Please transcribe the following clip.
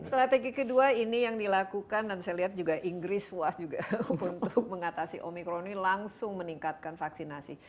strategi kedua ini yang dilakukan dan saya lihat juga inggris puas juga untuk mengatasi omikron ini langsung meningkatkan vaksinasi